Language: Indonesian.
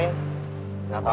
nanti q melemumkan kan